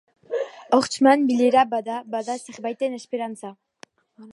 Horstman bileran bada, bada zerbaiten esperantza.